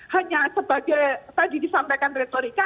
hanya sebagai tadi disampaikan retorika